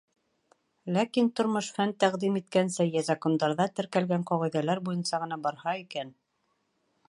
Ләкин тормош фән тәҡдим иткәнсә йә закондарҙа теркәлгән ҡағиҙәләр буйынса ғына барһа икән.